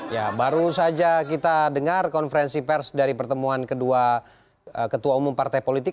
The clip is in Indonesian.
ya baru saja kita dengar konferensi pers dari pertemuan kedua ketua umum partai politik